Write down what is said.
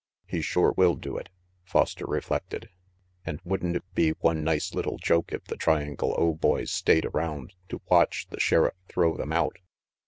"He sure will do it," Foster reflected, "and wouldn't it be one nice little joke if the Triangle O boys stayed around to watch the Sheriff throw them out?"